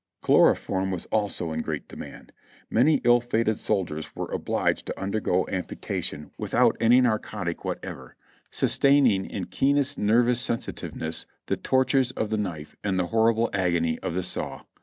Chloroform was also in great demand. Many ill fated sol diers were obliged to undergo amputation without any narcotic 346 JOHNNY RtlB AND BILLY YANK whatever, sustaining in keenest nervous sensitiveness the tor tures of the knife and the horrible agony of the saw.